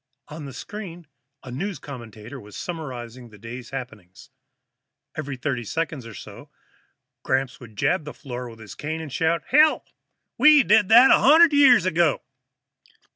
On the screen, a news commentator was summarizing the day's happenings. Every thirty seconds or so, Gramps would jab the floor with his cane tip and shout, "Hell, we did that a hundred years ago!"